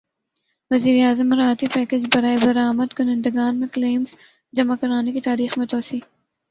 وزیر اعظم مراعاتی پیکج برائے برامد کنندگان میں کلیمز جمع کرانے کی تاریخ میں توسیع